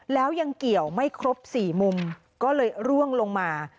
แล้วยังเกี่ยวไม่ครบ๔มุมก็เลยร่วงลงมา